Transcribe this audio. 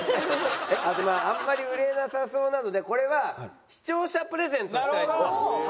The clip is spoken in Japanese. あんまり売れなさそうなのでこれは視聴者プレゼントしたいと思います。